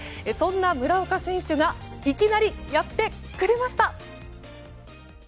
そんな村岡選手がいきなり、やってくれました。